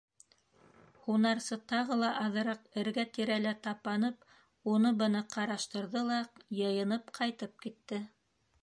Һунарсы тағы ла аҙыраҡ эргә-тирәлә тапанып, уны-быны ҡараштырҙы ла йыйынып ҡайтып китте.